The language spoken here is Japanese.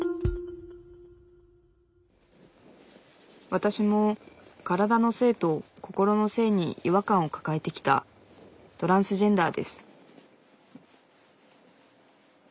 わたしも体の性と心の性に違和感を抱えてきたトランスジェンダーです